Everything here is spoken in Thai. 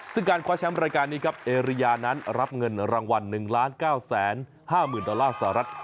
ซึ่งการคว้าแชมป์รายการนี้ครับเอเรียนั้นรับเงินรางวัลหนึ่งล้านเก้าแสนห้าหมื่นดอลลาร์สหรัฐ